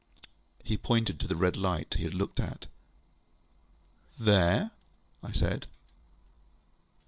ŌĆØ He pointed to the red light he had looked at. ŌĆ£There? ŌĆØ I said.